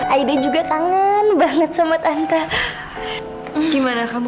aida juga kangen banget sama tante gimana kamu